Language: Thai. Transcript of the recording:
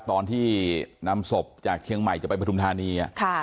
ตอนที่นำศพจากเชียงใหม่จะไปปฐุมธานี